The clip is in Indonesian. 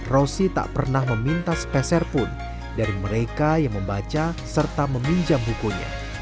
rosy tak pernah meminta speser pun dari mereka yang membaca serta meminjam bukunya